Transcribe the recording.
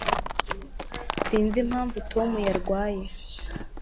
sinzi impamvu tom yarwaye